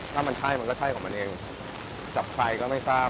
ถ้ามันใช่มันก็ใช่ของมันเองกับใครก็ไม่ทราบ